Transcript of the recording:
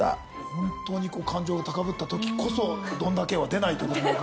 本当に感情がたかぶったときこそ「どんだけ」は出ないというははは